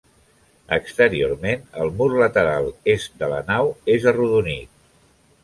Exteriorment, el mur lateral est de la nau és arrodonit.